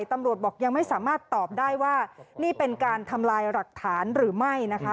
ตำรวจบอกยังไม่สามารถตอบได้ว่านี่เป็นการทำลายหลักฐานหรือไม่นะคะ